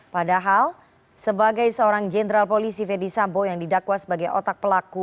padahal sebagai seorang jenderal polisi ferdisambo yang didakwa sebagai otak pelaku